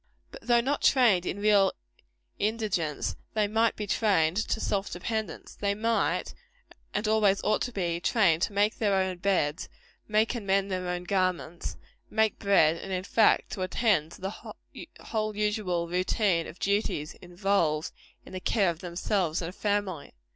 But though not trained in real indigence, they might be trained to self dependence. They might be, and always ought to be, trained to make their own beds; make and mend their own garments; make bread; and, in fact, to attend to the whole usual routine of duties involved in the care of themselves and a family.